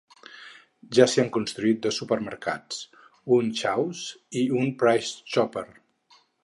Ja s'hi han construït dos supermercats, un Shaw's i un Price Chopper.